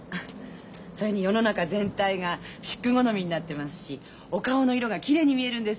それに世の中全体がシック好みになってますしお顔の色がきれいに見えるんです。